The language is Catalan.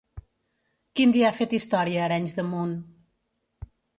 Quin dia ha fet història a Arenys de Munt?